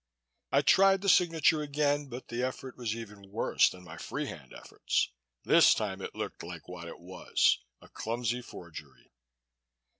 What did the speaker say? I tried the signature again but the effort was even worse than my free hand efforts. This time it looked like what it was a clumsy forgery.